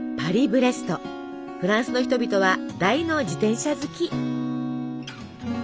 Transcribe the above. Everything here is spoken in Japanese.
フランスの人々は大の自転車好き！